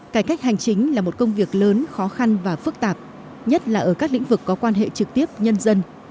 cải cách hành chính là một công việc lớn khó khăn và phức tạp nhất là ở các lĩnh vực có quan hệ trực tiếp nhân dân